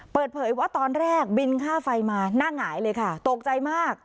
เปิดเผยว่าตอนแรกบินค่าไฟมาหน้าหงายเลยค่ะตกใจมาก